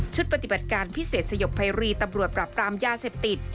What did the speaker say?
ปฏิบัติการพิเศษสยบภัยรีตำรวจปรับปรามยาเสพติด